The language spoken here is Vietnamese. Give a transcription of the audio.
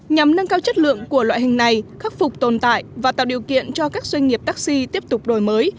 nhằm nâng cao chất lượng của loại hình này khắc phục tồn tại và tạo điều kiện cho các doanh nghiệp taxi tiếp tục đổi mới